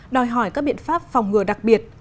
đòi hỏi các biện pháp phòng ngừa đặc biệt